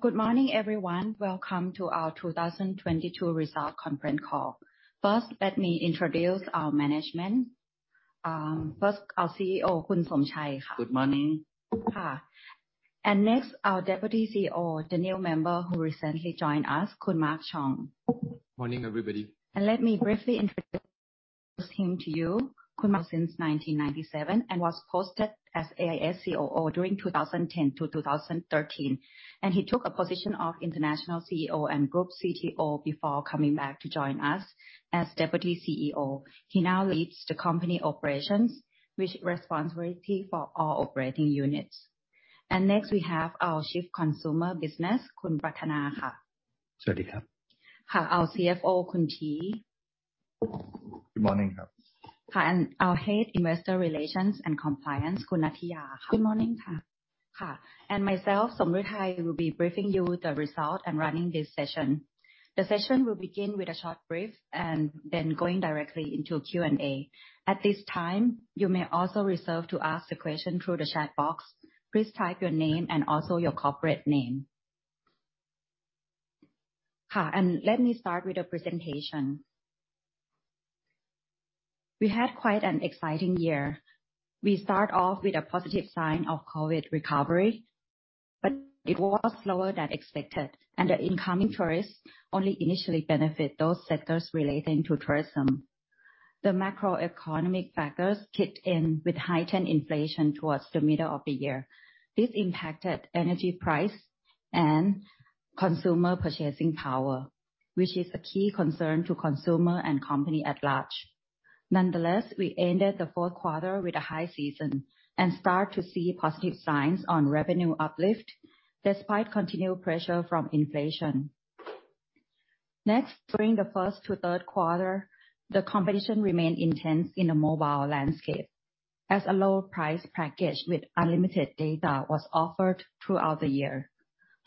Good morning, everyone. Welcome to our 2022 result conference call. First, let me introduce our management. First, our CEO, Somchai. Good morning. Next, our Deputy CEO, the new member who recently joined us, Khun Mark Chong. Morning, everybody. Let me briefly introduce him to you. Khun Mark since 1997, and was posted as AIS COO during 2010-2013, and he took a position of international CEO and group CTO before coming back to join us as Deputy CEO. He now leads the company operations with responsibility for all operating units. Next, we have our Chief Consumer Business, Khun Pratthana. Our CFO, Khun Tee. Good morning. Our Head Investor Relations and Compliance, Khun Nattiya. Good morning. Myself, Somruetai, will be briefing you the result and running this session. The session will begin with a short brief, and then going directly into Q&A. At this time, you may also reserve to ask the question through the chat box. Please type your name and also your corporate name. Let me start with the presentation. We had quite an exciting year. We start off with a positive sign of COVID recovery, but it was slower than expected, and the incoming tourists only initially benefit those sectors relating to tourism. The macroeconomic factors kicked in with heightened inflation towards the middle of the year. This impacted energy price and consumer purchasing power, which is a key concern to consumer and company at large. Nonetheless, we ended the fourth quarter with a high season and start to see positive signs on revenue uplift despite continued pressure from inflation. During the first to third quarter, the competition remained intense in a mobile landscape, as a low price package with unlimited data was offered throughout the year.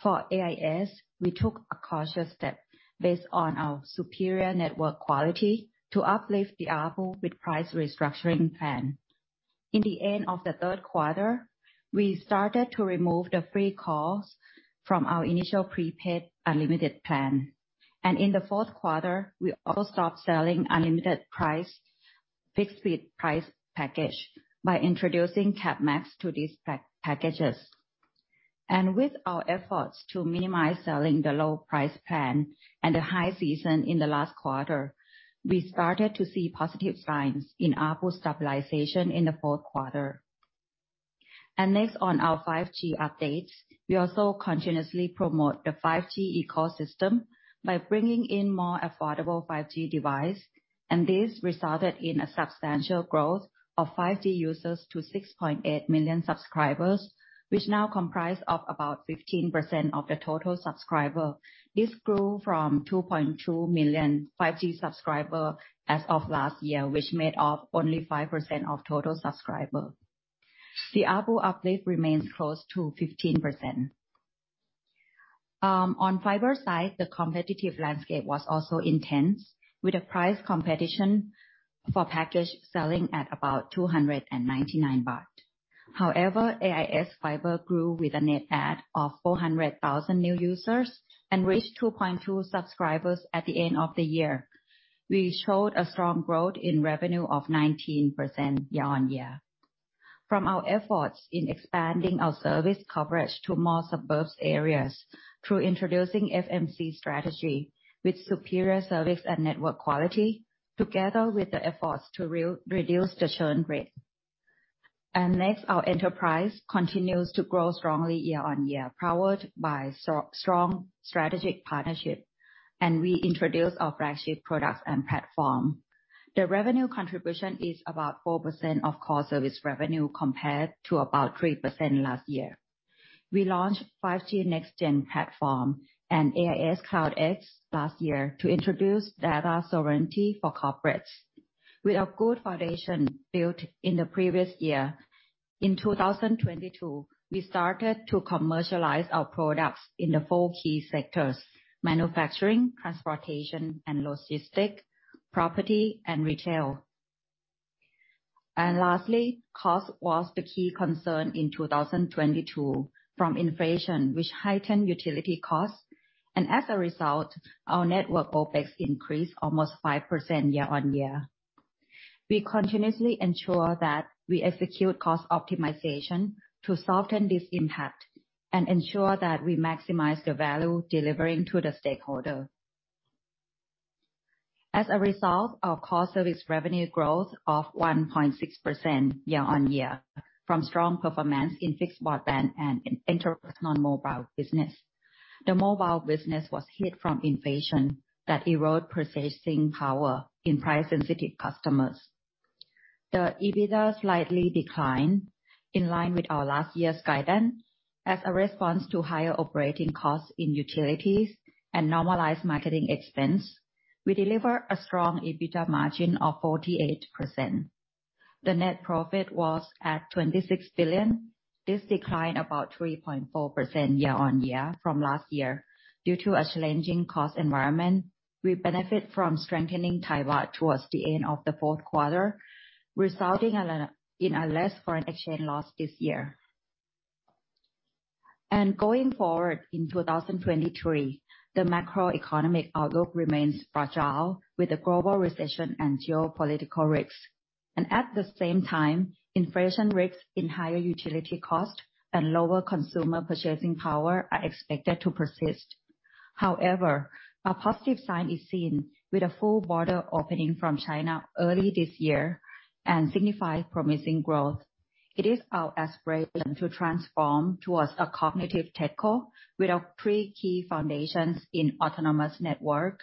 For AIS, we took a cautious step based on our superior network quality to uplift the ARPU with price restructuring plan. In the end of the third quarter, we started to remove the free calls from our initial prepaid unlimited plan. In the fourth quarter, we also stopped selling unlimited price, fixed-fee price package by introducing Cap Max to these packages. With our efforts to minimize selling the low price plan and the high season in the last quarter, we started to see positive signs in ARPU stabilization in the fourth quarter. Next, on our 5G updates. We also continuously promote the 5G ecosystem by bringing in more affordable 5G device, and this resulted in a substantial growth of 5G users to 6.8 million subscribers, which now comprise of about 15% of the total subscriber. This grew from 2.2 million 5G subscriber as of last year, which made up only 5% of total subscriber. The ARPU uplift remains close to 15%. On Fibre side, the competitive landscape was also intense, with a price competition for package selling at about 299 baht. However, AIS Fibre grew with a net add of 400,000 new users and reached 2.2 subscribers at the end of the year. We showed a strong growth in revenue of 19% year-on-year. From our efforts in expanding our service coverage to more suburbs areas through introducing FMC strategy with superior service and network quality, together with the efforts to reduce the churn rate. Next, our enterprise continues to grow strongly year-on-year, powered by strong strategic partnership, and we introduced our flagship products and platform. The revenue contribution is about 4% of core service revenue compared to about 3% last year. We launched 5G NEXTGen platform and AIS Cloud X last year to introduce data sovereignty for corporates. With a good foundation built in the previous year, in 2022, we started to commercialize our products in the four key sectors: manufacturing, transportation and logistic, property, and retail. Lastly, cost was the key concern in 2022 from inflation, which heightened utility costs. As a result, our network OpEx increased almost 5% year-on-year. We continuously ensure that we execute cost optimization to soften this impact and ensure that we maximize the value delivering to the stakeholder. Our core service revenue growth of 1.6% year-on-year from strong performance in fixed broadband and enterprise on mobile business. The mobile business was hit from inflation that erode purchasing power in price-sensitive customers. The EBITDA slightly declined in line with our last year's guidance as a response to higher operating costs in utilities and normalized marketing expense. We deliver a strong EBITDA margin of 48%. The net profit was at THB 26 billion. This declined about 3.4% year-on-year from last year due to a challenging cost environment. We benefit from strengthening Thai baht towards the end of the fourth quarter, resulting in a less foreign exchange loss this year. Going forward in 2023, the macroeconomic outlook remains fragile with the global recession and geopolitical risks. At the same time, inflation risks in higher utility costs and lower consumer purchasing power are expected to persist. However, a positive sign is seen with a full border opening from China early this year and signify promising growth. It is our aspiration to transform towards a cognitive tech hub with our three key foundations in autonomous network,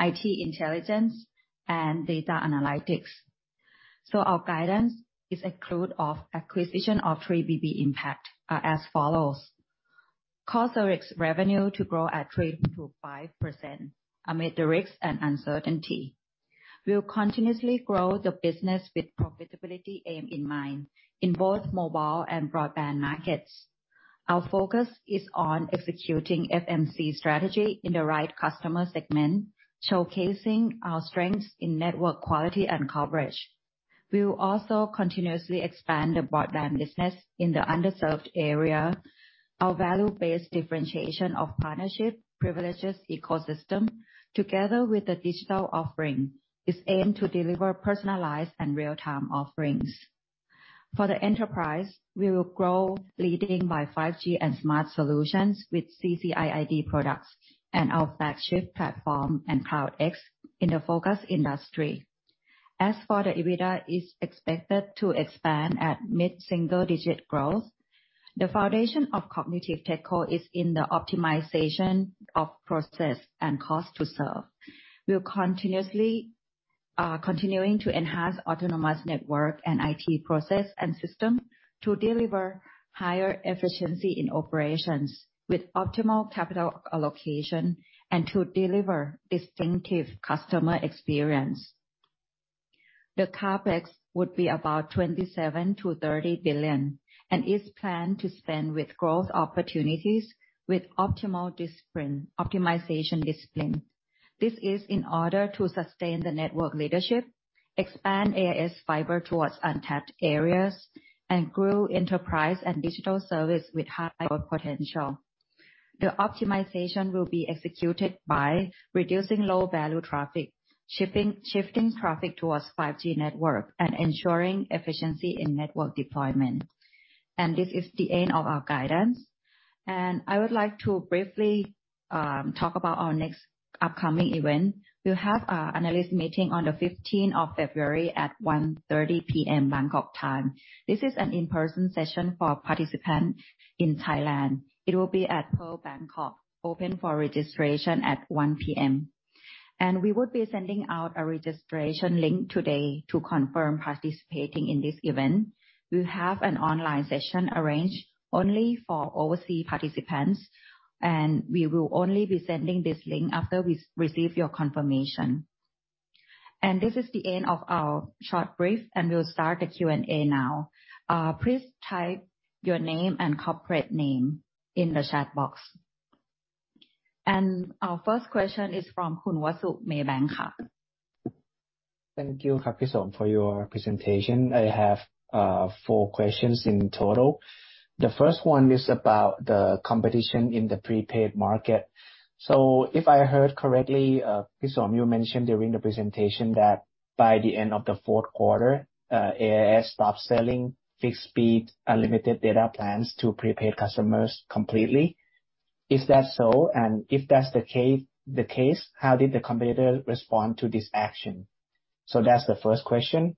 IT intelligence, and data analytics. Our guidance is accrued of acquisition of 3BB impact as follows. Cos or ex revenue to grow at 3%-5% amid the risks and uncertainty. We'll continuously grow the business with profitability aim in mind in both mobile and broadband markets. Our focus is on executing FMC strategy in the right customer segment, showcasing our strengths in network quality and coverage. We will also continuously expand the broadband business in the underserved area. Our value-based differentiation of partnership privileges ecosystem together with the digital offering is aimed to deliver personalized and real-time offerings. For the enterprise, we will grow leading by 5G and smart solutions with C-CID products and our flagship platform and Cloud X in the focus industry. As for the EBITDA, it's expected to expand at mid-single digit growth. The foundation of cognitive tech hub is in the optimization of process and cost to serve. We're continuously continuing to enhance autonomous network and IT process and system to deliver higher efficiency in operations with optimal capital allocation and to deliver distinctive customer experience. The CapEx would be about 27 billion-30 billion and is planned to spend with growth opportunities with optimal discipline, optimization discipline. This is in order to sustain the network leadership, expand AIS Fibre towards untapped areas, and grow enterprise and digital service with higher potential. The optimization will be executed by reducing low-value traffic, shifting traffic towards 5G network and ensuring efficiency in network deployment. This is the end of our guidance. I would like to briefly talk about our next upcoming event. We'll have our analyst meeting on the February 15th at 1:30 P.M. Bangkok time. This is an in-person session for participants in Thailand. It will be at Pearl Bangkok, open for registration at 1:00 P.M. We would be sending out a registration link today to confirm participating in this event. We'll have an online session arranged only for overseas participants, and we will only be sending this link after we receive your confirmation. This is the end of our short brief, and we'll start the Q&A now. Please type your name and corporate name in the chat box. Our first question is from Khun Wasu, Maybank. Thank you, Khun Som, for your presentation. I have four questions in total. The first one is about the competition in the prepaid market. If I heard correctly, Som, you mentioned during the presentation that by the end of the fourth quarter, AIS stopped selling fixed-speed unlimited data plans to prepaid customers completely. Is that so? If that's the case, how did the competitor respond to this action? That's the first question.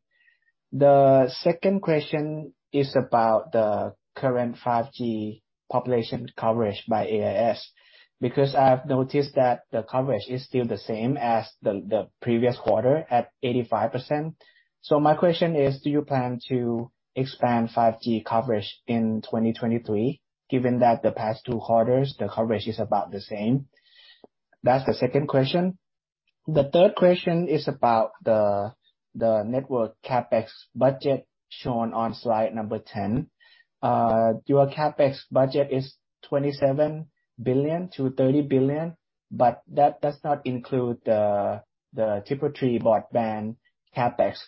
The second question is about the current 5G population coverage by AIS, because I've noticed that the coverage is still the same as the previous quarter at 85%. My question is, do you plan to expand 5G coverage in 2023, given that the past two quarters, the coverage is about the same? That's the second question. The third question is about the network CapEx budget shown on slide number 10. Your CapEx budget is 27 billion-30 billion, but that does not include the Triple T Broadband CapEx.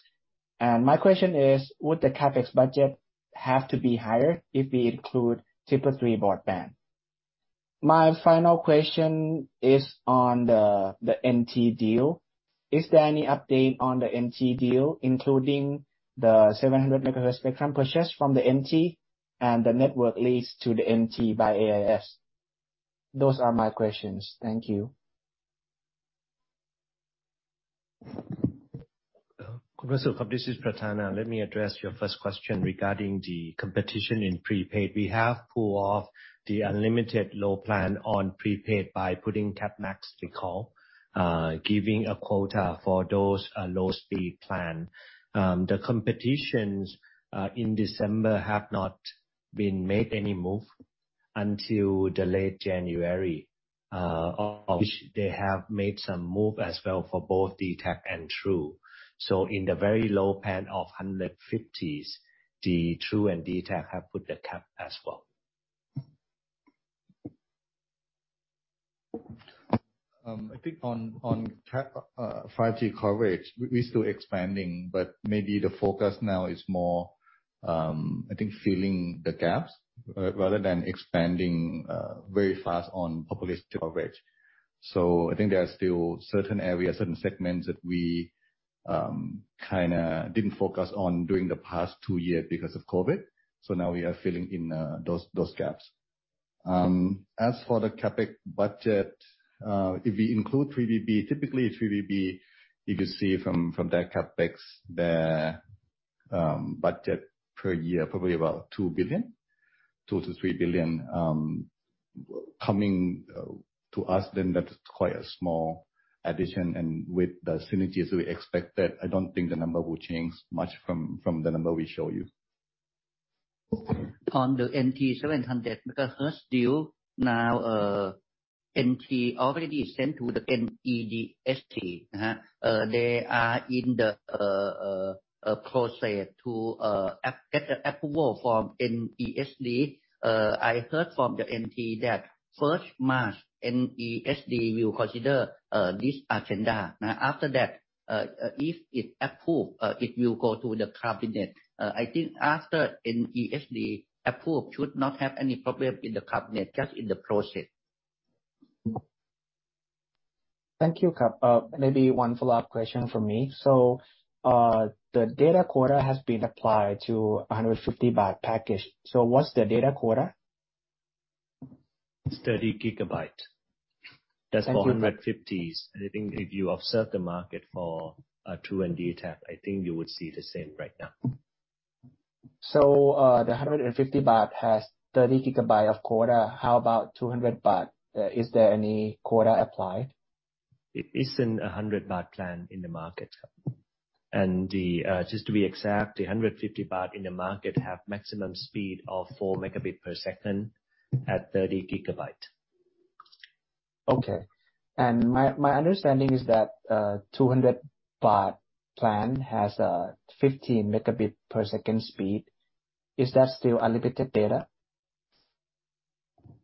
My question is, would the CapEx budget have to be higher if we include Triple T Broadband? My final question is on the NT deal. Is there any update on the NT deal, including the 700 MHz spectrum purchase from the NT and the network lease to the NT by AIS? Those are my questions. Thank you. This is Pratthana. Let me address your first question regarding the competition in prepaid. We have pulled off the unlimited low plan on prepaid by putting CapEx, we call, giving a quota for those low-speed plan. The competitions in December have not been made any move until the late January, of which they have made some move as well for both DTAC and True. In the very low end of THB 150s, the True and DTAC have put the cap as well. I think on 5G coverage, we still expanding, but maybe the focus now is more, I think filling the gaps, rather than expanding very fast on population coverage. I think there are still certain areas, certain segments that we kinda didn't focus on during the past two years because of COVID. Now we are filling in those gaps. As for the CapEx budget, if we include 3BB, typically 3BB, you could see from their CapEx, their budget per year, probably about 2 billion. 2 billion-3 billion coming to us, that's quite a small addition. With the synergies we expected, I don't think the number will change much from the number we show you. On the NT 700 MHz deal, now, NT already sent to the NESDC, they are in the process to get the approval from NESDC. I heard from the NT that March 1st, NESDC will consider this agenda. After that, if it approve, it will go to the cabinet. I think after NESDC approve should not have any problem in the cabinet, just in the process. Thank you. Maybe one follow-up question from me. The data quota has been applied to a 150 baht package. What's the data quota? 30 GB. Thank you. That's for 150s. I think if you observe the market for True and DTAC, I think you would see the same right now. The 150 baht has 30 GB of quota. How about 200 baht? Is there any quota applied? It isn't a 100 baht plan in the market. The, just to be exact, the 150 baht in the market have maximum speed of 4 Mbps at 30 GB. Okay. My understanding is that, 200 baht plan has a 15 Mbps speed. Is that still unlimited data?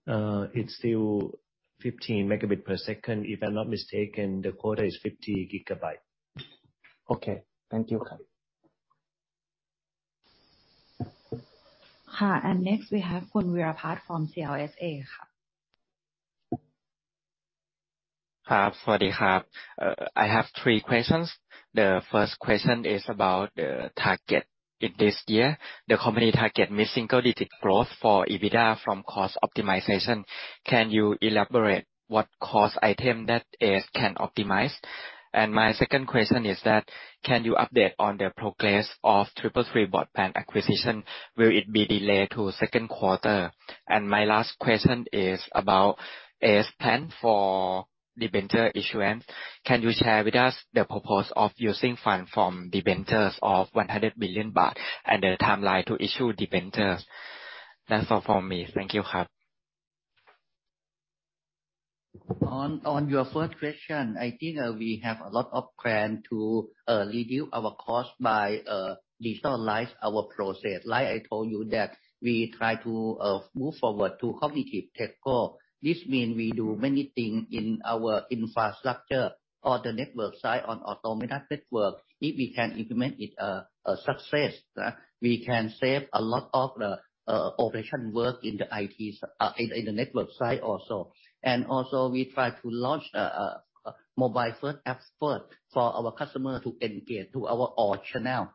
It's still 15 Mbps. If I'm not mistaken, the quota is 50 GB. Okay. Thank you. Next we have Veerapat from CLSA. I have three questions. The first question is about the target in this year. The company target mid-single digit growth for EBITDA from cost optimization. Can you elaborate what cost item that AIS can optimize? My second question is that, can you update on the progress of Triple T Broadband acquisition? Will it be delayed to second quarter? My last question is about AIS plan for debenture issuance. Can you share with us the purpose of using fund from debentures of 100 billion baht, and the timeline to issue debentures? That's all from me. Thank you. On your first question, I think, we have a lot of plan to reduce our cost by digitalize our process. Like I told you that we try to move forward to cognitive tech goal. This mean we do many things in our infrastructure or the network side on autonomous network. If we can implement it a success, we can save a lot of the operation work in the network side also. Also we try to launch mobile first effort for our customer to engage to our all channel.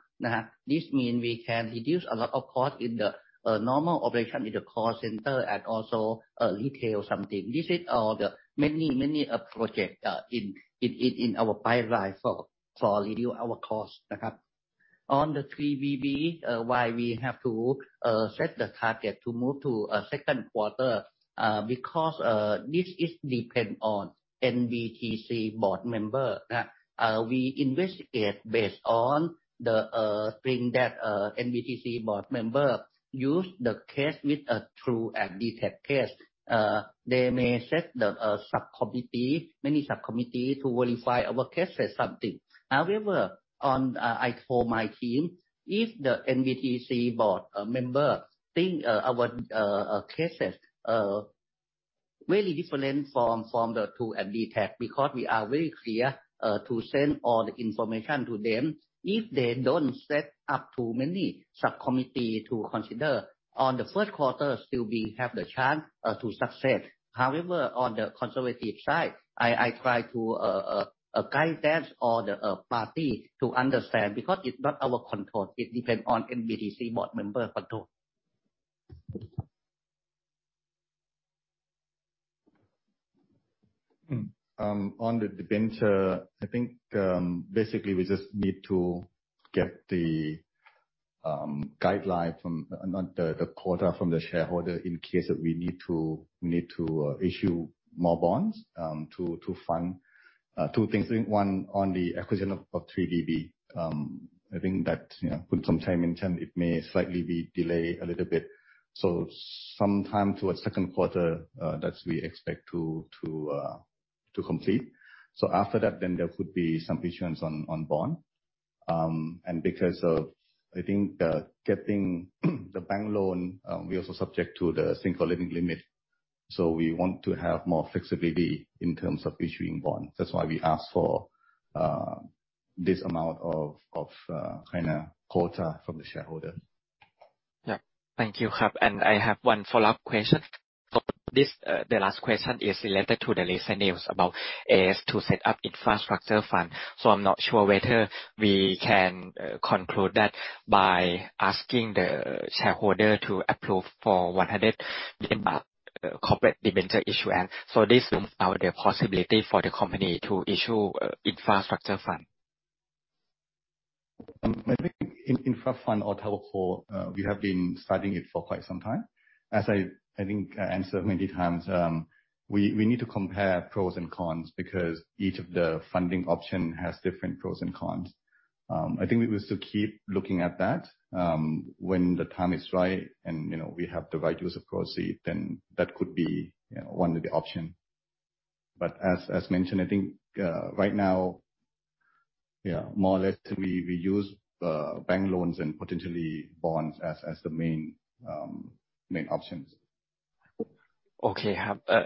This mean we can reduce a lot of cost in the normal operation in the call center and also retail something. This is all the many project in our pipeline for reduce our cost. On the 3BB, why we have to set the target to move to second quarter, because this is depend on NBTC board member. We investigate based on the thing that NBTC board member use the case with True and DTAC case. They may set the subcommittee, many subcommittee to verify our cases something. However, I told my team, if the NBTC board member think our cases very different from the True and DTAC, because we are very clear to send all the information to them. If they don't set up too many subcommittee to consider on the first quarter, still we have the chance to succeed. On the conservative side, I try to guidance all the party to understand, because it's not our control. It depends on NBTC board member control. On the debenture, I think, basically we just need to get the guideline from... not the quota from the shareholder in case if we need to issue more bonds, to fund two things. I think one, on the acquisition of 3BB. I think that, you know, put some time and term, it may slightly be delayed a little bit. Some time towards second quarter, that we expect to complete. After that, then there could be some issuance on bond. Because of, I think, the getting the bank loan, we also subject to the single lending limit. We want to have more flexibility in terms of issuing bond. That's why we ask for this amount of kinda quota from the shareholder. Yeah. Thank you. I have one follow-up question. This, the last question is related to the recent news about AIS to set up infrastructure fund. I'm not sure whether we can conclude that by asking the shareholder to approve for 100 million corporate debenture issuance. This rules out the possibility for the company to issue infrastructure fund? I think infra fund or telecom, we have been studying it for quite some time. As I think I answered many times, we need to compare pros and cons because each of the funding option has different pros and cons. I think we will still keep looking at that. When the time is right and, you know, we have the right use of proceed, then that could be, you know, one of the option. As mentioned, I think right now, more or less we use bank loans and potentially bonds as the main options.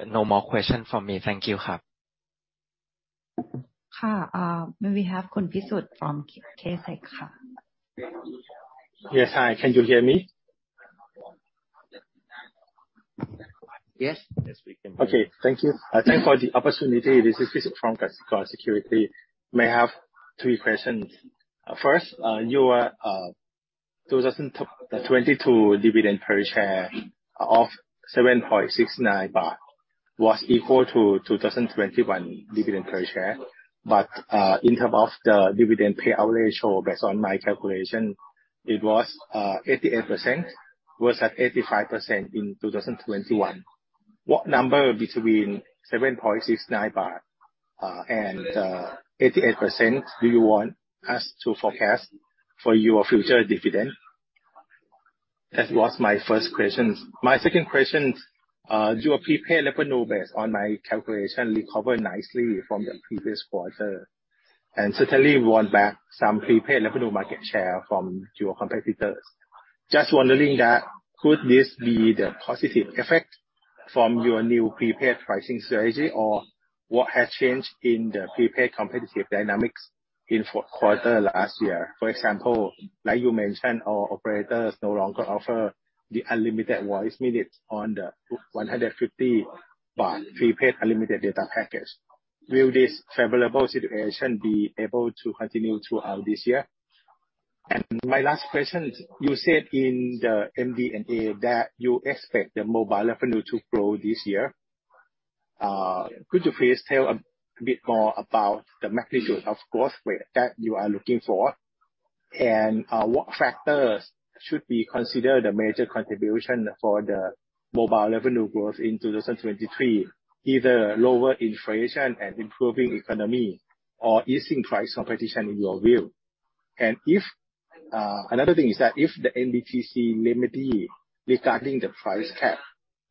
No more question for me. Thank you. May we have. Yes. Hi, can you hear me? Yes. Yes, we can hear you. Okay. Thank you. Thanks for the opportunity. This is Pisut from Kasikorn Securities. May I have three questions? First, your 2022 dividend per share of 7.69 baht was equal to 2021 dividend per share. In terms of the dividend payout ratio, based on my calculation, it was 88%, was at 85% in 2021. What number between 7.69 and 88% do you want us to forecast for your future dividend? That was my first question. My second question. Your prepaid revenue, based on my calculation, recover nicely from the previous quarter, and certainly won back some prepaid revenue market share from your competitors. Just wondering that could this be the positive effect from your new prepaid pricing strategy, or what has changed in the prepaid competitive dynamics in fourth quarter last year? For example, like you mentioned, all operators no longer offer the unlimited voice minute on the 150 baht prepaid unlimited data package. Will this favorable situation be able to continue throughout this year? My last question. You said in the MD&A that you expect the mobile revenue to grow this year. Could you please tell a bit more about the magnitude of growth rate that you are looking for? What factors should be considered a major contribution for the mobile revenue growth in 2023, either lower inflation and improving economy or easing price competition in your view? If...another thing is that if the NBTC remedy regarding the price cap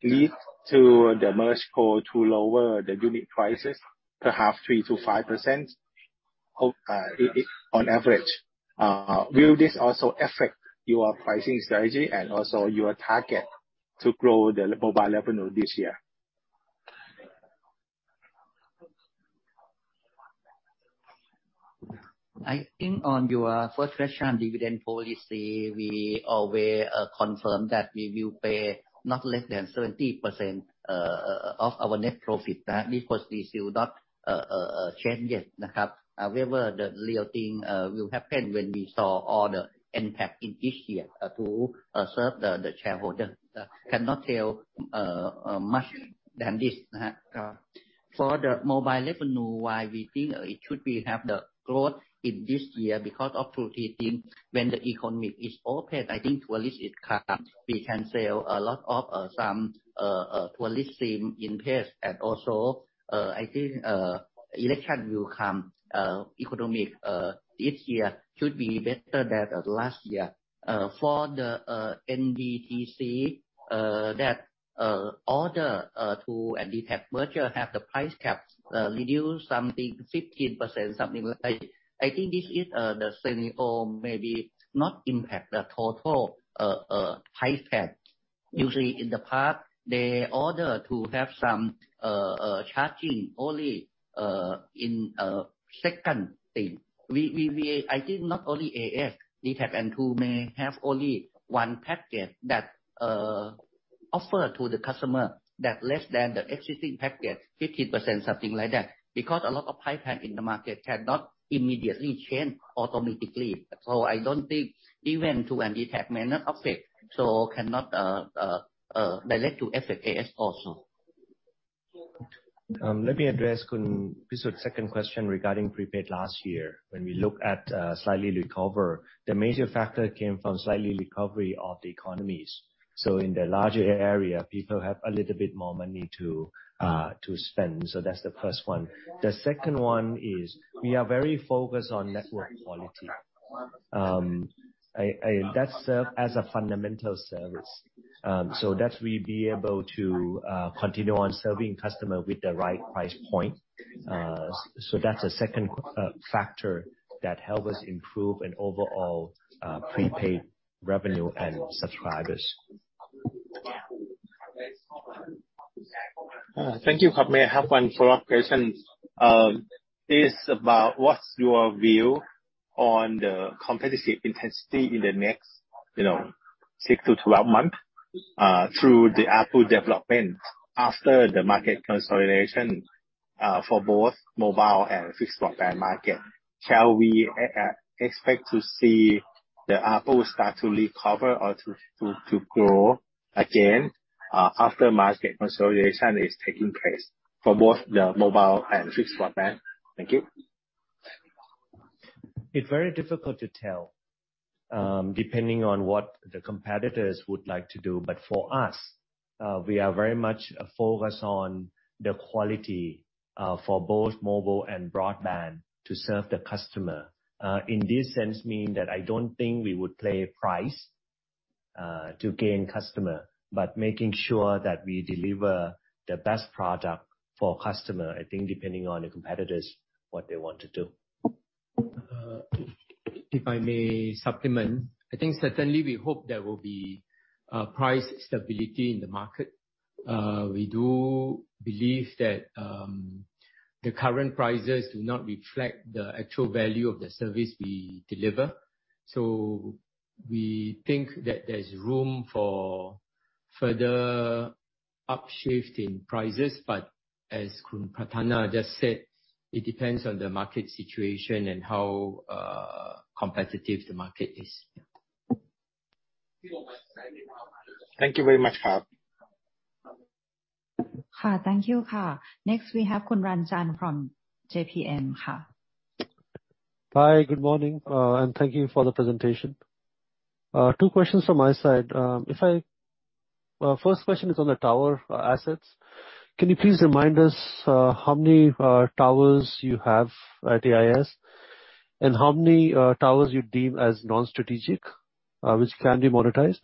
lead to the merged-co to lower the unit prices, perhaps 3%-5%, on average, will this also affect your pricing strategy and also your target to grow the mobile revenue this year? I think on your first question, dividend policy, we always confirm that we will pay not less than 70% of our net profit. This position will not change yet. However, the real thing will happen when we saw all the impact in this year to serve the shareholder. Cannot tell much than this. For the mobile revenue, why we think it should be have the growth in this year because of two key things. When the economy is open, I think tourist is come. We can sell a lot of some tourist SIM in place. Also, I think election will come, economic this year should be better than last year. For the NBTC that order to True and DTAC merger have the price caps reduced something 15%, something like. I think this is the same or maybe not impact the total price cap. Usually in the past, they order to have some charging only in second SIM. I think not only AIS, DTAC and True may have only one package that offer to the customer that less than the existing package, 15%, something like that, because a lot of pipe had in the market cannot immediately change automatically. I don't think even True and DTAC may not affect, so cannot direct to affect AIS also. Let me address Pisut's second question regarding prepaid last year. When we look at slightly recover, the major factor came from slightly recovery of the economies. In the larger area, people have a little bit more money to spend. That's the first one. The second one is we are very focused on network quality. That serve as a fundamental service. That we'll be able to continue on serving customer with the right price point. That's a second factor that help us improve in overall prepaid revenue and subscribers. Thank you. May I have one follow-up question? It's about what's your view on the competitive intensity in the next, you know, six-12 months, through the ARPU development after the market consolidation, for both mobile and fixed broadband market. Shall we expect to see the ARPU start to recover or to grow again, after market consolidation is taking place for both the mobile and fixed broadband? Thank you. It's very difficult to tell, depending on what the competitors would like to do. For us, we are very much focused on the quality, for both mobile and broadband to serve the customer. In this sense mean that I don't think we would play price to gain customer, but making sure that we deliver the best product for customer. I think, depending on the competitors, what they want to do. If I may supplement. I think certainly we hope there will be price stability in the market. We do believe that the current prices do not reflect the actual value of the service we deliver. We think that there's room for further upshift in prices. As Khun Pratthana just said, it depends on the market situation and how competitive the market is. Thank you very much. Thank you. Next we have Ranjan from JPMorgan. Hi, good morning, thank you for the presentation. Two questions from my side. First question is on the tower assets. Can you please remind us how many towers you have at AIS? How many towers you deem as non-strategic which can be monetized?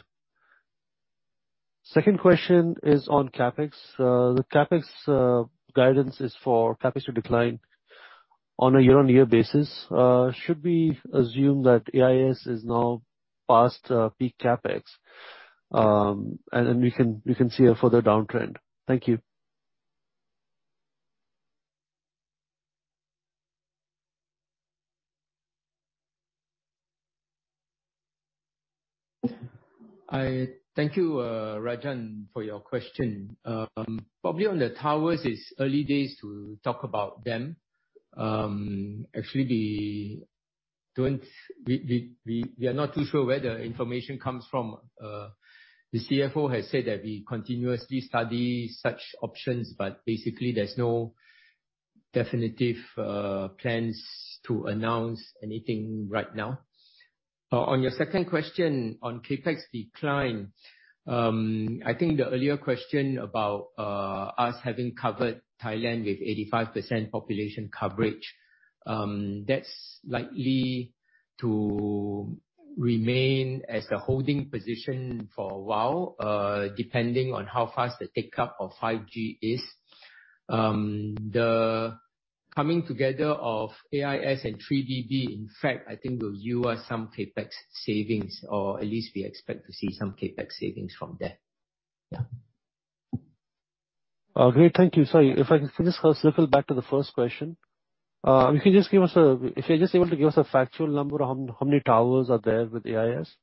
Second question is on CapEx. The CapEx guidance is for CapEx to decline on a year-on-year basis. Should we assume that AIS is now past peak CapEx? We can see a further downtrend. Thank you. I thank you, Ranjan, for your question. Probably on the towers, it's early days to talk about them. Actually, we are not too sure where the information comes from. The CFO has said that we continuously study such options, but basically there's no definitive plans to announce anything right now. On your second question on CapEx decline, I think the earlier question about us having covered Thailand with 85% population coverage, that's likely to remain as a holding position for a while, depending on how fast the take-up of 5G is. The coming together of AIS and 3BB, in fact, I think will yield us some CapEx savings, or at least we expect to see some CapEx savings from that. Yeah. Great. Thank you. Sorry, if I can just circle back to the first question. If you're just able to give us a factual number, how many towers are there with AIS?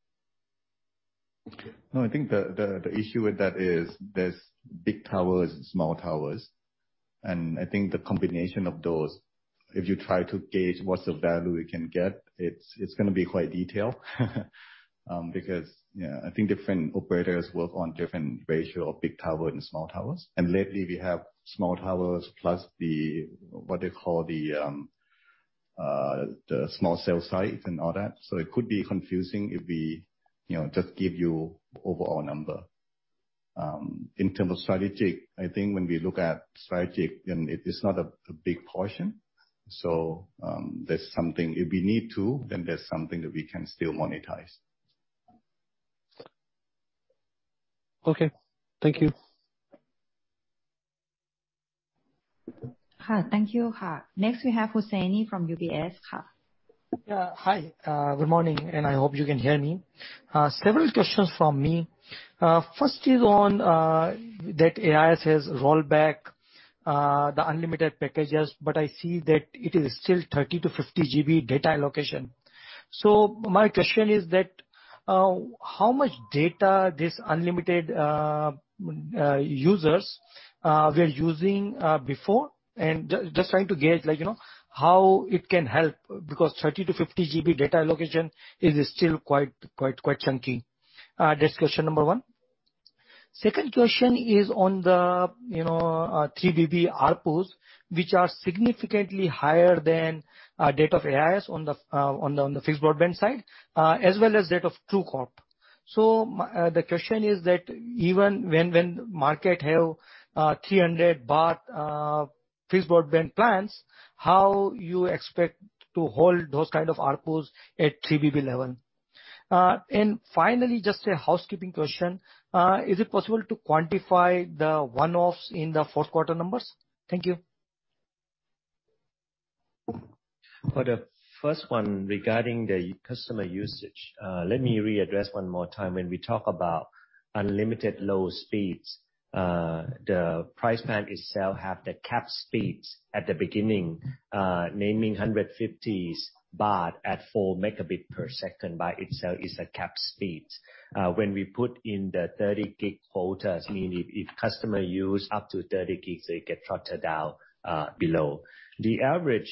No, I think the issue with that is there's big towers and small towers, and I think the combination of those. If you try to gauge what's the value we can get, it's gonna be quite detailed. Because, yeah, I think different operators work on different ratio of big tower and small towers. Lately we have small towers plus the, what do you call, the small cell sites and all that. It could be confusing if we, you know, just give you overall number. In terms of strategic, I think when we look at strategic, then it is not a big portion. There's something... If we need to, then there's something that we can still monetize. Okay. Thank you. Thank you. Next we have Hussaini from UBS. Hi. Good morning, and I hope you can hear me. Several questions from me. First is on that AIS has rolled back the unlimited packages, but I see that it is still 30 GB-50 GB data allocation. My question is that how much data these unlimited users were using before? Just trying to gauge like, you know, how it can help, because 30 GB-50 GB data allocation is still quite chunky. That's question number one. Second question is on the, you know, 3BB ARPUs, which are significantly higher than data of AIS on the fixed broadband side, as well as that of True Corporation. The question is that even when market have 300 baht fixed broadband plans, how you expect to hold those kind of ARPUs at 3BB level? Finally, just a housekeeping question. Is it possible to quantify the one-offs in the fourth quarter numbers? Thank you. For the first one regarding the customer usage, let me re-address one more time. When we talk about unlimited low speeds, the price plan itself have the capped speeds at the beginning, naming 150 baht at 4 Mb per second by itself is a capped speeds. When we put in the 30 GB quotas, meaning if customer use up to 30 GB, they get throttled down below. The average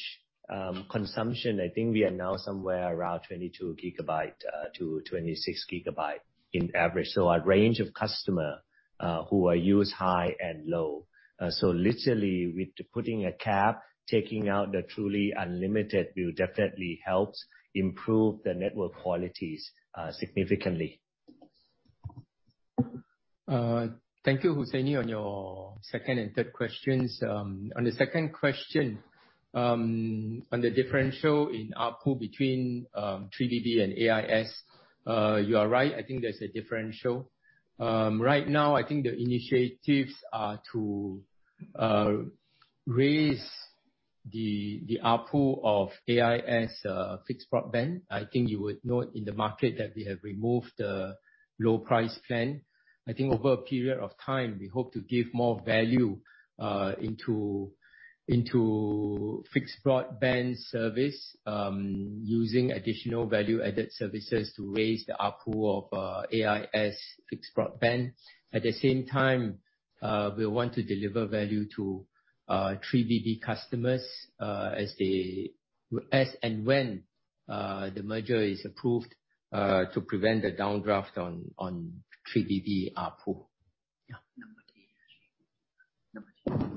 consumption, I think we are now somewhere around 22 GB-26 GB in average. A range of customer who are use high and low. Literally with putting a cap, taking out the truly unlimited will definitely helps improve the network qualities significantly. Thank you, Hussaini, on your second and third questions. On the second question, on the differential in ARPU between 3BB and AIS. You are right, I think there's a differential. Right now I think the initiatives are to raise the ARPU of AIS fixed broadband. I think you would note in the market that we have removed the low price plan. I think over a period of time, we hope to give more value into fixed broadband service, using additional value-added services to raise the ARPU of AIS fixed broadband. At the same time, we want to deliver value to 3BB customers, as and when the merger is approved, to prevent the downdraft on 3BB ARPU. Yeah. Number three.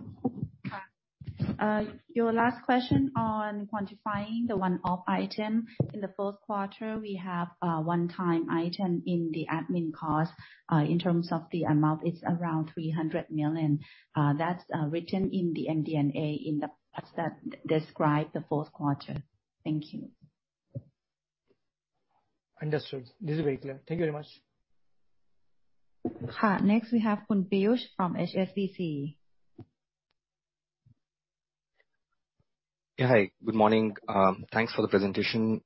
Your last question on quantifying the one-off item. In the fourth quarter, we have a one-time item in the admin cost. In terms of the amount, it's around 300 million. That's written in the MD&A in the parts that describe the fourth quarter. Thank you. Understood. This is very clear. Thank you very much. Next, we have Piyush from HSBC. Yeah. Hi, good morning. Thanks for the presentation.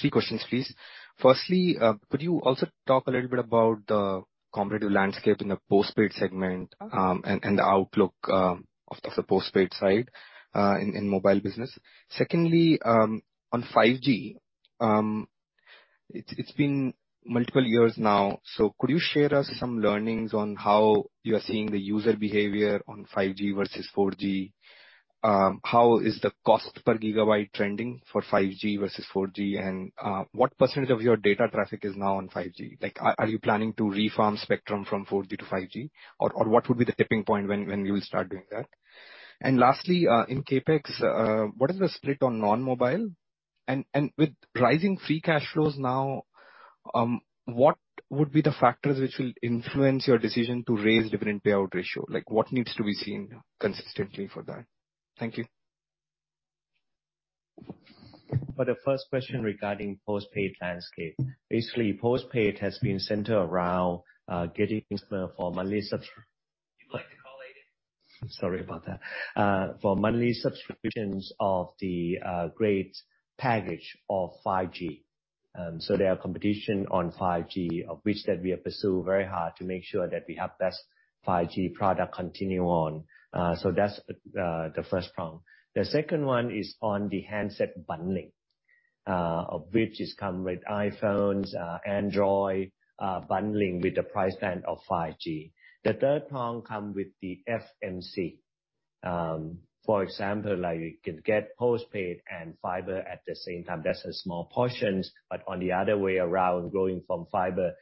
Three questions, please. Firstly, could you also talk a little bit about the competitive landscape in the postpaid segment, and the outlook of the postpaid side in mobile business? Secondly, on 5G, it's been multiple years now, could you share us some learnings on how you are seeing the user behavior on 5G versus 4G? How is the cost per gigabyte trending for 5G versus 4G? What % of your data traffic is now on 5G? Are you planning to re-farm spectrum from 4G to 5G? What would be the tipping point when you will start doing that? Lastly, in CapEx, what is the split on non-mobile? With rising free cash flows now, what would be the factors which will influence your decision to raise dividend payout ratio? Like what needs to be seen consistently for that? Thank you. For the first question regarding post-paid landscape. Basically, post-paid has been centered around getting customer for monthly You'd like to call later. Sorry about that. For monthly subscriptions of the great package of 5G. There are competition on 5G, of which that we have pursued very hard to make sure that we have best 5G product continue on. That's the first prong. The second one is on the handset bundling, of which is come with iPhones, Android, bundling with the price plan of 5G. The third prong come with the FMC. For example, like you can get post-paid and fiber at the same time. That's a small portions, but on the other way around, growing from fiber,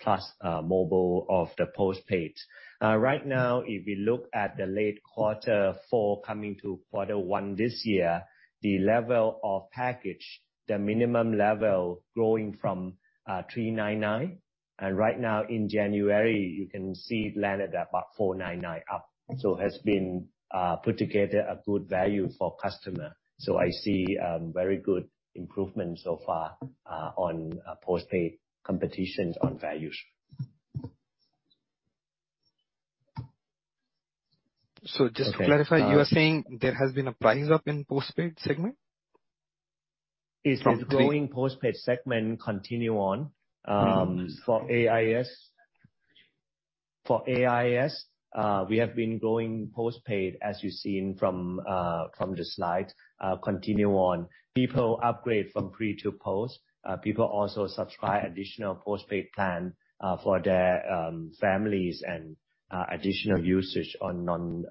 plus mobile of the post-paid. Right now, if you look at the late quarter for coming to Q1 this year, the level of package, the minimum level growing from 399. Right now in January, you can see it landed at about 499 up. Has been put together a good value for customer. I see very good improvement so far on post-paid competitions on values. Just to clarify, you are saying there has been a price up in post-paid segment? Is the growing post-paid segment continue on for AIS. For AIS, we have been growing post-paid, as you've seen from the slides, continue on. People upgrade from pre to post. People also subscribe additional post-paid plan for their families and additional usage on non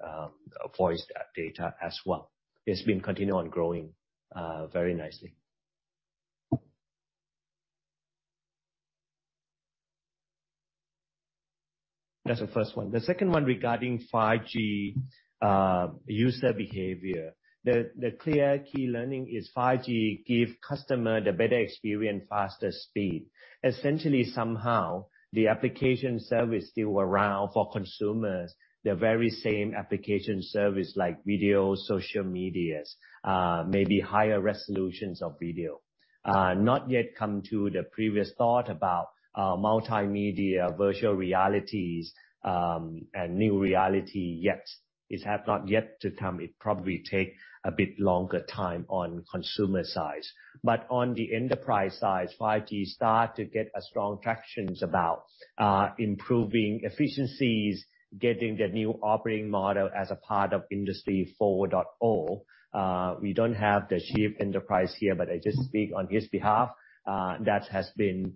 voice data as well. It's been continue on growing very nicely. That's the first one. The second one regarding 5G user behavior. The clear key learning is 5G give customer the better experience, faster speed. Essentially, somehow the application service still around for consumers, the very same application service like video, social medias, maybe higher resolutions of video. Not yet come to the previous thought about multimedia, virtual realities, and new reality yet. It has not yet to come. It probably take a bit longer time on consumer side. On the enterprise side, 5G start to get a strong traction about improving efficiencies, getting the new operating model as a part of Industry 4.0. We don't have the chief enterprise here, but I just speak on his behalf. That has been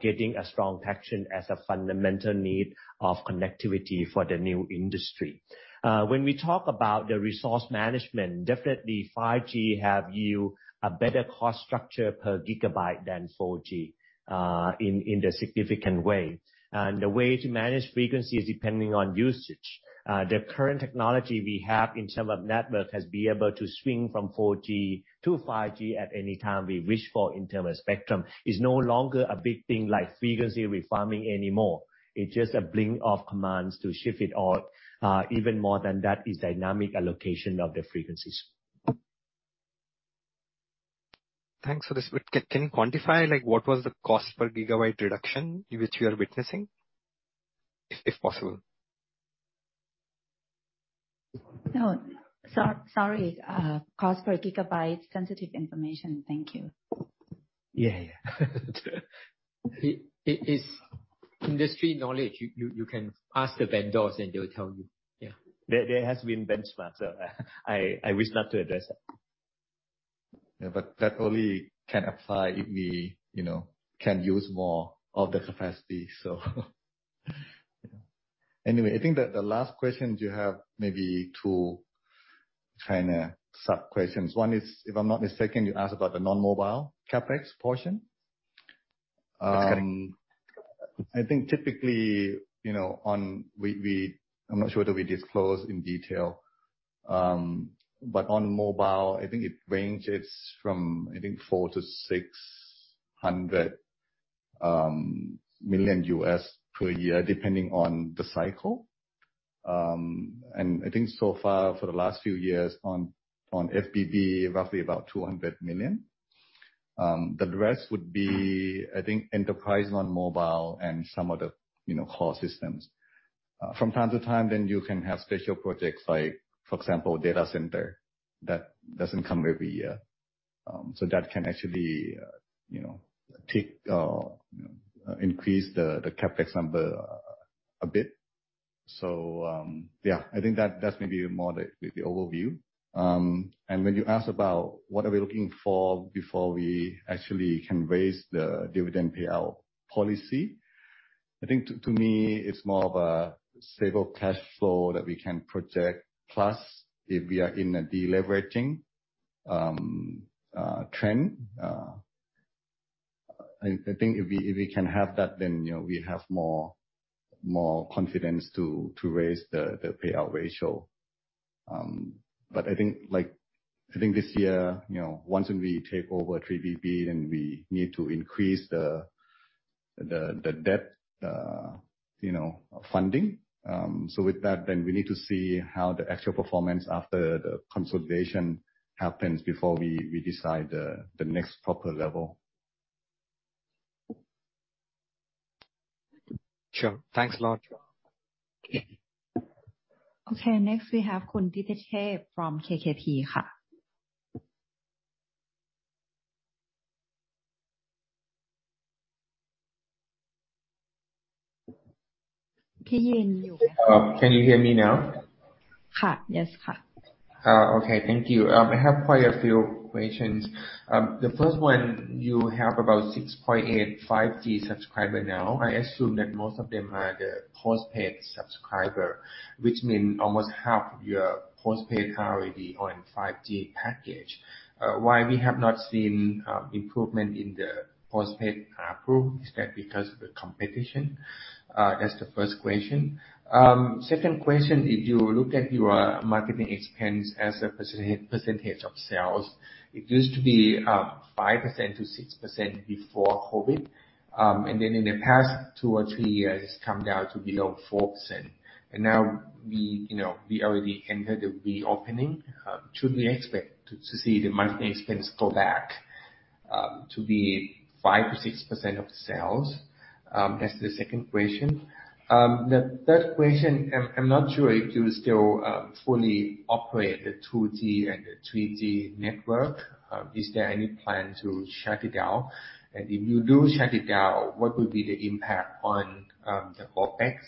getting a strong traction as a fundamental need of connectivity for the new industry. When we talk about the resource management, definitely 5G have you a better cost structure per gigabyte than 4G in the significant way. The way to manage frequency is depending on usage. The current technology we have in term of network has been able to swing from 4G to 5G at any time we wish for in term of spectrum. It's no longer a big thing like frequency refarming anymore. It's just a blink of commands to shift it all. Even more than that is dynamic allocation of the frequencies. Thanks for the split. Can you quantify, like, what was the cost per gigabyte reduction which you are witnessing, if possible? No. Sorry. Cost per gigabyte is sensitive information. Thank you. Yeah. It is industry knowledge. You can ask the vendors, and they will tell you. Yeah. There has been benchmarks. I wish not to address that. Yeah. That only can apply if we, you know, can use more of the capacity, so. Anyway, I think that the last question you have maybe two kinda sub-questions. One is, if I'm not mistaken, you asked about the non-mobile CapEx portion. Okay. I think typically, you know, I'm not sure that we disclose in detail. On mobile, I think it ranges from, I think $400 million-$600 million per year, depending on the cycle. I think so far for the last few years on FBB, roughly about $200 million. The rest would be, I think, enterprise non-mobile and some other, you know, core systems. From time to time then you can have special projects like, for example, data center. That doesn't come every year. That can actually, you know, take increase the CapEx number a bit. I think that's maybe more the overview. When you ask about what are we looking for before we actually can raise the dividend payout policy, I think to me, it's more of a stable cash flow that we can project, plus if we are in a deleveraging trend. I think if we can have that, then, you know, we have more confidence to raise the payout ratio. I think, like, I think this year, you know, once when we take over 3BB, then we need to increase the debt, you know, funding. With that, then we need to see how the actual performance after the consolidation happens before we decide the next proper level. Sure. Thanks a lot. Okay. Next we have Khun Thitithep from KKP. Can you hear me now? Yes. Okay. Thank you. I have quite a few questions. The first one, you have about 6.8 5G subscriber now. I assume that most of them are the postpaid subscriber, which mean almost half of your postpaid are already on 5G package. Why we have not seen improvement in the postpaid ARPU? Is that because of the competition? That's the first question. Second question, if you look at your marketing expense as a percentage of sales, it used to be 5%-6% before COVID. In the past two or three years, it's come down to below 4%. Now we, you know, we already entered the reopening. Should we expect to see the marketing expense go back to be 5%-6% of the sales? That's the second question. The third question, I'm not sure if you still fully operate the 2G and the 3G network. Is there any plan to shut it down? If you do shut it down, what will be the impact on the OpEx?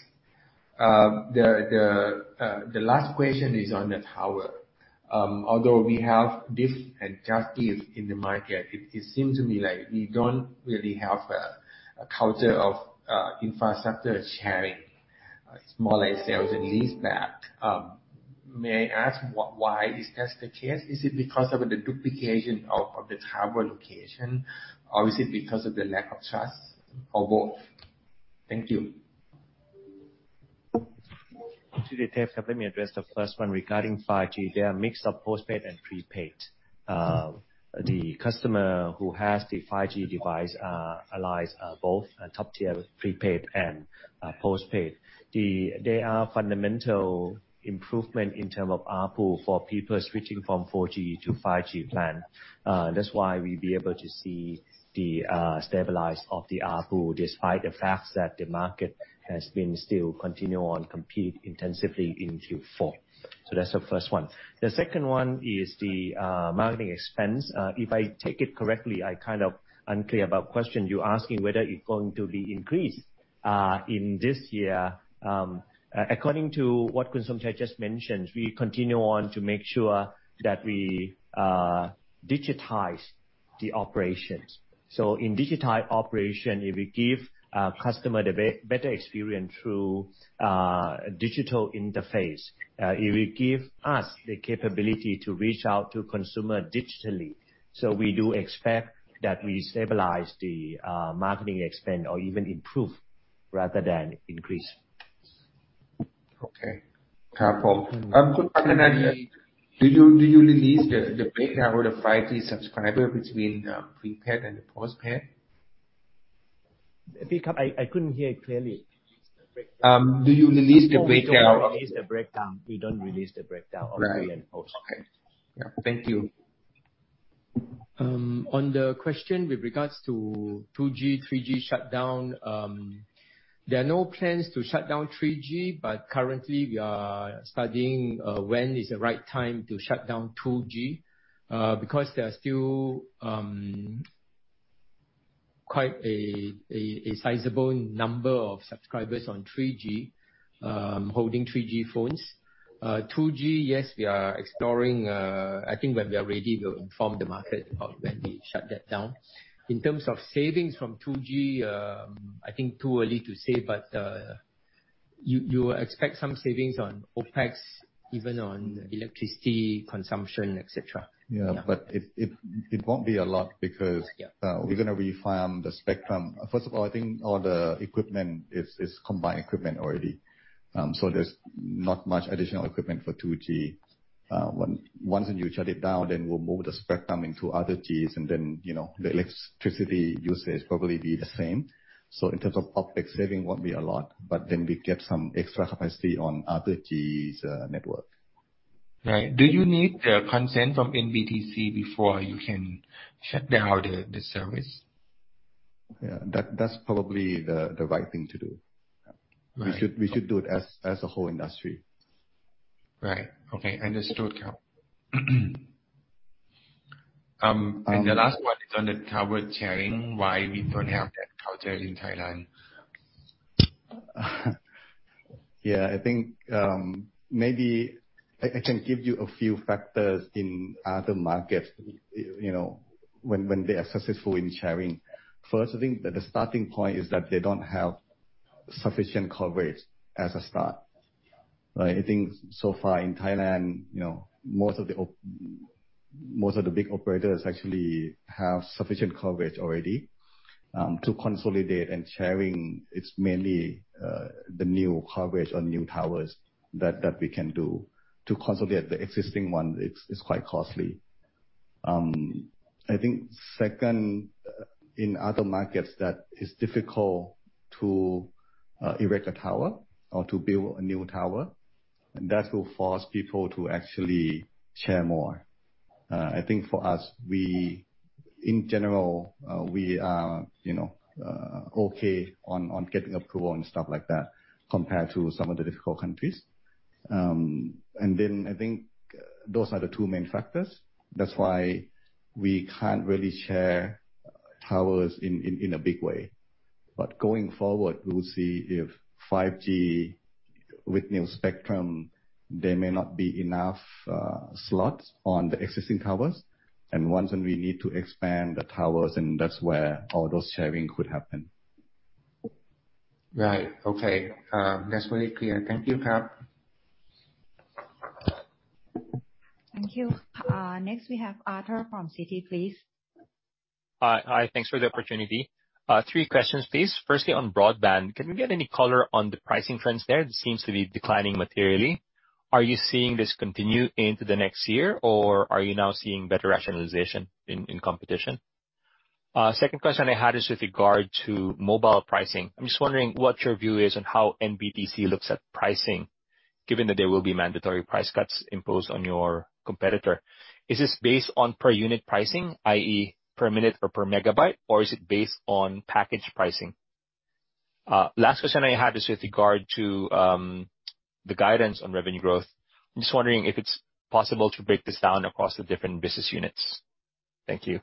The last question is on the tower. Although we have this and just this in the market, it seem to me like we don't really have a culture of infrastructure sharing. It's more like sales and lease back. May I ask why is that the case? Is it because of the duplication of the tower location? Or is it because of the lack of trust or both? Thank you. To the first, let me address the first one regarding 5G. They are a mix of postpaid and prepaid. The customer who has the 5G device, allies, both top tier prepaid and postpaid. There are fundamental improvement in term of ARPU for people switching from 4G to 5G plan. That's why we'd be able to see the stabilize of the ARPU despite the fact that the market has been still continue on compete intensively in Q4. That's the first one. The second one is the marketing expense. If I take it correctly, I kind of unclear about question you're asking whether it's going to be increased in this year. According to what Khun Somchai just mentioned, we continue on to make sure that we digitize the operations. In digitized operation, it will give customer the better experience through digital interface. It will give us the capability to reach out to consumer digitally. We do expect that we stabilize the marketing expense or even improve rather than increase. Okay. Mm-hmm. Do you release the breakdown of the 5G subscriber between prepaid and the postpaid? I couldn't hear it clearly. Do you release the breakdown-? We don't release the breakdown. We don't release the breakdown of pre and post. Right. Okay. Yeah. Thank you. On the question with regards to 2G, 3G shutdown, there are no plans to shut down 3G, but currently we are studying when is the right time to shut down 2G. Because there are still quite a sizable number of subscribers on 3G, holding 3G phones. 2G, yes, we are exploring. I think when we are ready, we'll inform the market about when we shut that down. In terms of savings from 2G, I think too early to say, but you expect some savings on OpEx, even on electricity consumption, et cetera. Yeah, it won't be a lot because. Yeah. We're gonna re-farm the spectrum. First of all, I think all the equipment is combined equipment already. There's not much additional equipment for 2G. Once when you shut it down, we'll move the spectrum into other Gs and then, you know, the electricity usage probably be the same. In terms of OpEx saving won't be a lot, but then we get some extra capacity on other Gs network. Do you need the consent from NBTC before you can shut down the service? Yeah. That's probably the right thing to do. Right. We should do it as a whole industry. Right. Okay. Understood, Khun. The last one is on the tower sharing, why we don't have that culture in Thailand? Yeah, I think maybe I can give you a few factors in other markets, you know, when they are successful in sharing. First, I think that the starting point is that they don't have sufficient coverage as a start, right? I think so far in Thailand, you know, most of the big operators actually have sufficient coverage already. To consolidate and sharing, it's mainly the new coverage or new towers that we can do. To consolidate the existing one, it's quite costly. I think second, in other markets that it's difficult to erect a tower or to build a new tower, and that will force people to actually share more. I think for us, we. In general, we are, you know, okay on getting approval and stuff like that compared to some of the difficult countries. I think those are the two main factors. That's why we can't really share towers in a big way. Going forward, we'll see if 5G with new spectrum, there may not be enough slots on the existing towers. Once when we need to expand the towers, and that's where all those sharing could happen. Right. Okay. That's very clear. Thank you, Khun. Thank you. Next we have Arthur from Citi, please. Hi. Hi, thanks for the opportunity. Three questions, please. Firstly, on broadband, can we get any color on the pricing trends there? It seems to be declining materially. Are you seeing this continue into the next year, or are you now seeing better rationalization in competition? Second question I had is with regard to mobile pricing. I'm just wondering what your view is on how NBTC looks at pricing, given that there will be mandatory price cuts imposed on your competitor. Is this based on per unit pricing, i.e., per minute or per megabyte, or is it based on package pricing? Last question I have is with regard to the guidance on revenue growth. I'm just wondering if it's possible to break this down across the different business units. Thank you.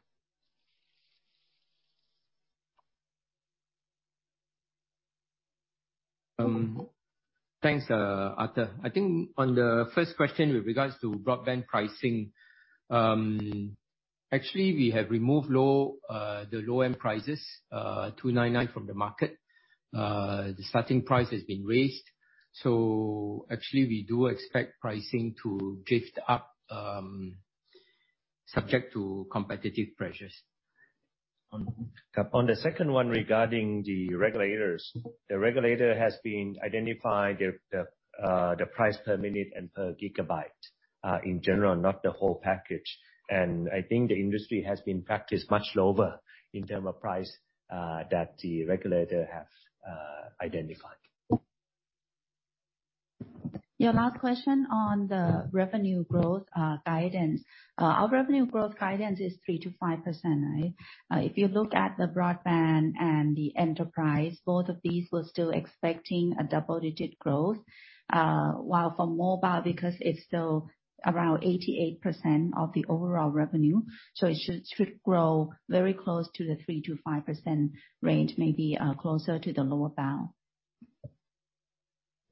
Thanks, Arthur. I think on the first question with regards to broadband pricing. Actually, we have removed the low-end prices, 299 from the market. The starting price has been raised. Actually we do expect pricing to drift up, subject to competitive pressures. On the second one regarding the regulators, the regulator has been identifying the price per minute and per gigabyte in general, not the whole package. I think the industry has been practiced much lower in term of price that the regulator have identified. Your last question on the revenue growth guidance. Our revenue growth guidance is 3%-5%, right? If you look at the broadband and the enterprise, both of these we're still expecting a double-digit growth. While for mobile because it's still around 88% of the overall revenue, so it should grow very close to the 3%-5% range, maybe, closer to the lower bound.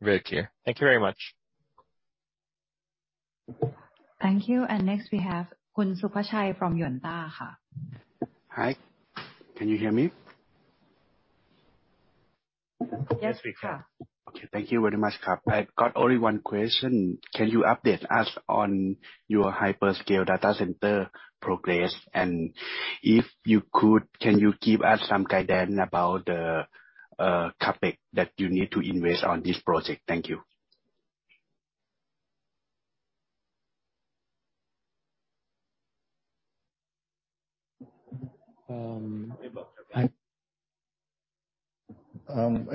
Very clear. Thank you very much. Thank you. Next we have Khun Supachai from Yuanta. Hi, can you hear me? Yes, we can. Okay. Thank you very much. I got only one question. Can you update us on your hyperscale data center progress? If you could, can you give us some guidance about the CapEx that you need to invest on this project? Thank you. Um-I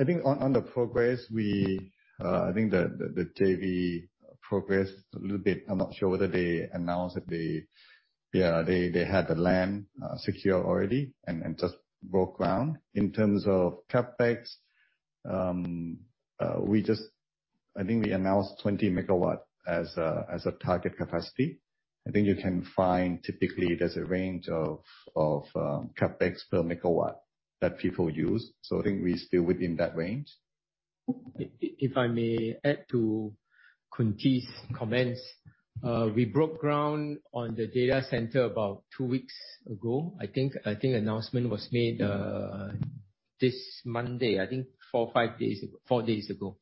think on the progress, I think the JV progressed a little bit. I'm not sure whether they announced that they. Yeah, they had the land secure already and just broke ground. In terms of CapEx, I think we announced 20 MW as a target capacity. I think you can find typically there's a range of CapEx per megawatt that people use. I think we're still within that range. If I may add to Khun Tee's comments. We broke ground on the data center about two weeks ago, I think. I think announcement was made this Monday, I think four or five days ago, four days ago.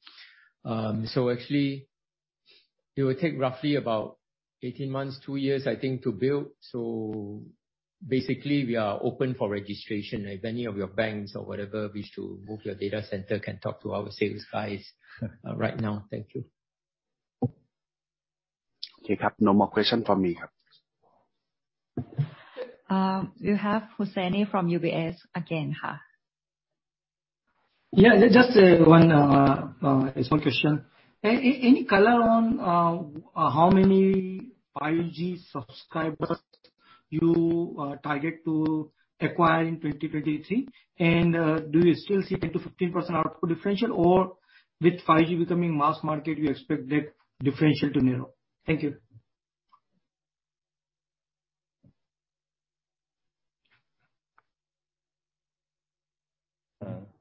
Actually it will take roughly about 18 months, two years, I think, to build. Basically we are open for registration. If any of your banks or whatever wish to move your data center can talk to our sales guys right now. Thank you. Okay. No more question for me. We have Hussaini from UBS again. Yeah, just one question. Any color on how many 5G subscribers you target to acquire in 2023? Do you still see 10%-15% ARPU differential, or with 5G becoming mass market, we expect the differential to narrow? Thank you.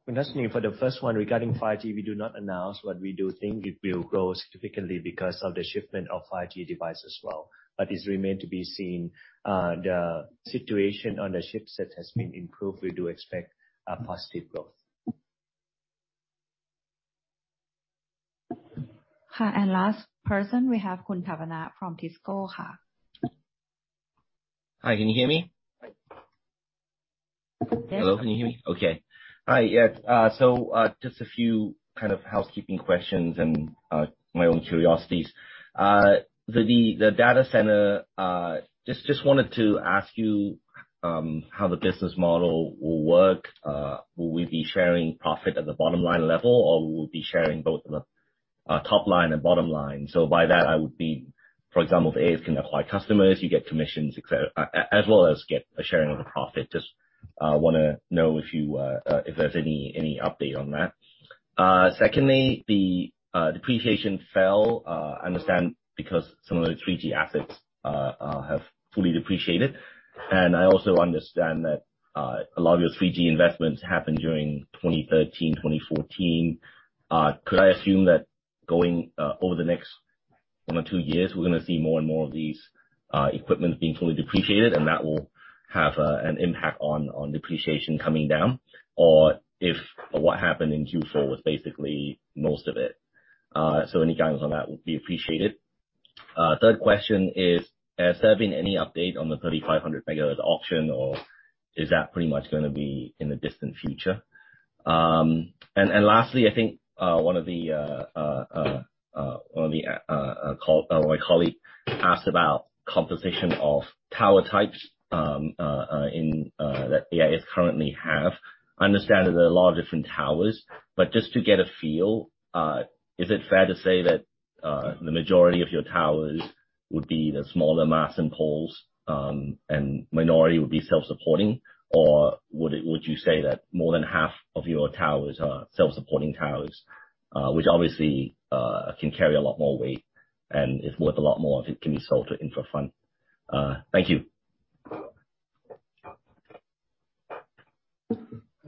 Hussaini, for the first one regarding 5G, we do not announce. We do think it will grow significantly because of the shipment of 5G devices as well. It's remain to be seen. The situation on the chipset has been improved. We do expect a positive growth. Hi, last person, we have Khun Wattana from TISCO. Hi, can you hear me? Yes. Hello, can you hear me? Okay. Hi. Yeah. Just a few kind of housekeeping questions and my own curiosities. The data center, just wanted to ask you how the business model will work. Will we be sharing profit at the bottom line level, or we'll be sharing both the top line and bottom line? By that I would be. For example, AIS can acquire customers, you get commissions as well as get a sharing of the profit. Just want to know if there's any update on that. Secondly, the depreciation fell. I understand because some of the 3G assets have fully depreciated. I also understand that a lot of your 3G investments happened during 2013, 2014. Could I assume that going over the next one or two years, we're gonna see more and more of these equipment being fully depreciated, and that will have an impact on depreciation coming down? If what happened in Q4 was basically most of it. Any guidance on that would be appreciated. Third question is, has there been any update on the 3500 MHz auction, or is that pretty much gonna be in the distant future? Lastly, I think one of the my colleague asked about composition of tower types in that AIS currently have. I understand that there are a lot of different towers, but just to get a feel, is it fair to say that the majority of your towers would be the smaller masts and poles, and minority would be self-supporting? Would you say that more than half of your towers are self-supporting towers? Which obviously, can carry a lot more weight and is worth a lot more if it can be sold to infra fund. Thank you.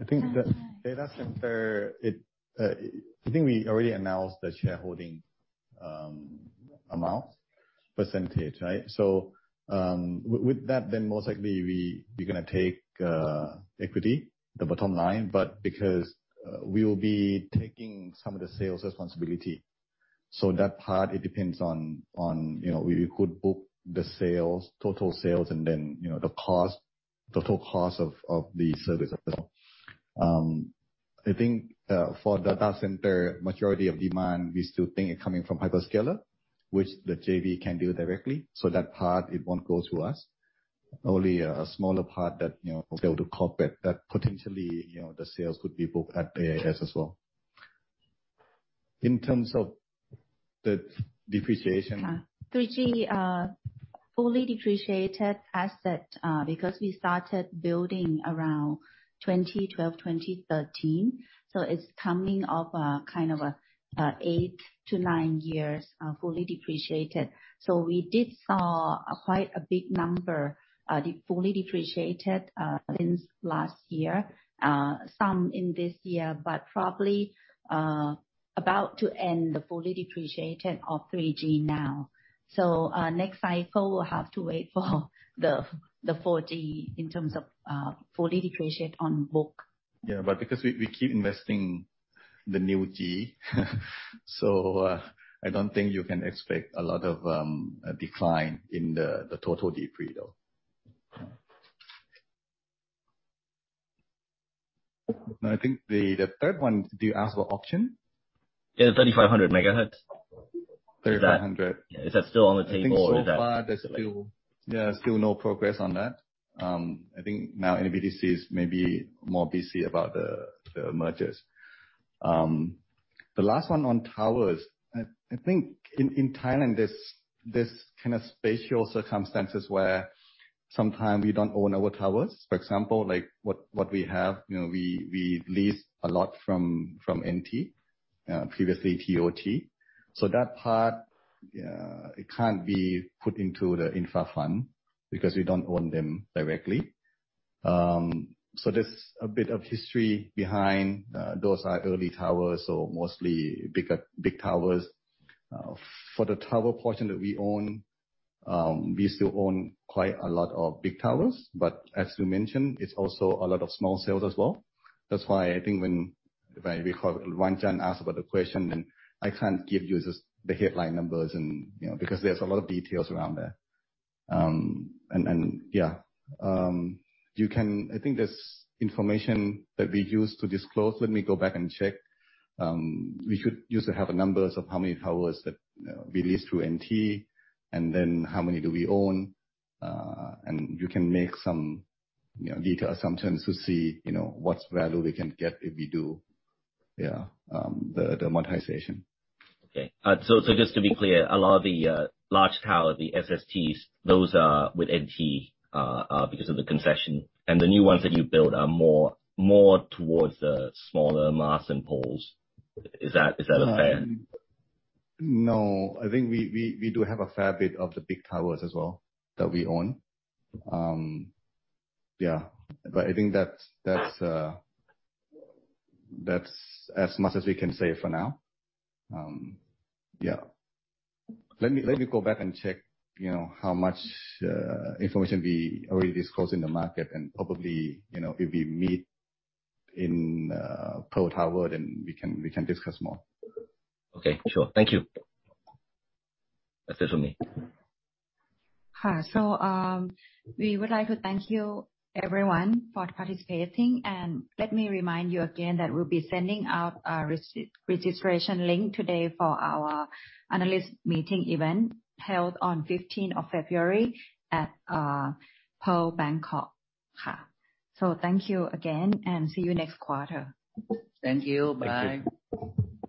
I think the data center, it. I think we already announced the shareholding amount percentage, right? With that then most likely we're gonna take equity, the bottom line, but because we will be taking some of the sales responsibility, so that part, it depends on, you know, we could book the sales, total sales and then, you know, the cost, total cost of the service as well. I think for data center, majority of demand we still think are coming from hyperscaler, which the JV can do directly. That part, it won't go to us. Only a smaller part that, you know, we'll be able to cope with, that potentially, you know, the sales could be booked at AIS as well. In terms of the depreciation- 3G fully depreciated asset because we started building around 2012, 2013, it's coming of a kind of an eight-nine years fully depreciated. We did saw quite a big number, the fully depreciated since last year. Some in this year, but probably about to end the fully depreciated of 3G now. Next cycle we'll have to wait for the 4G in terms of fully depreciate on book. Because we keep investing the new G. I don't think you can expect a lot of decline in the total depre though. I think the third one, did you ask for auction? Yeah, the 3,500 MHz. 3,500 MHz. Is that still on the table? I think so far there's still no progress on that. I think now NBTC is maybe more busy about the mergers. The last one on towers. I think in Thailand there's kind of special circumstances where sometimes we don't own our towers. For example, like what we have, you know, we lease a lot from NT. Previously TOT. That part, it can't be put into the infra fund because we don't own them directly. There's a bit of history behind. Those are early towers, mostly big towers. For the tower portion that we own, we still own quite a lot of big towers, but as we mentioned, it's also a lot of small cells as well. That's why I think when. If I recall, Wanchat asked about the question and I can't give you the headline numbers and, you know, because there's a lot of details around there. Yeah. I think there's information that we use to disclose. Let me go back and check. We used to have a numbers of how many towers that, you know, we lease through NT, and then how many do we own, and you can make some, you know, detail assumptions to see, you know, what value we can get if we do, yeah, the monetization. Okay. Just to be clear, a lot of the large tower, the SSTs, those are with NT, because of the concession. The new ones that you build are more towards the smaller masts and poles. Is that a fair-? No. I think we do have a fair bit of the big towers as well that we own. Yeah. I think that's as much as we can say for now. Yeah. Let me go back and check, you know, how much information we already disclosed in the market and probably, you know, if we meet in Pearl Tower, then we can discuss more. Okay. Sure. Thank you. That's it from me. We would like to thank you everyone for participating. Let me remind you again that we'll be sending out a registration link today for our analyst meeting event held on February 15 at Pearl Bangkok. Thank you again, see you next quarter. Thank you. Bye. Thank you.